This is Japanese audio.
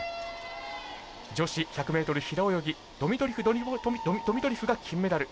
女子１００ｍ平泳ぎドミトリフドミトリフが金メダル。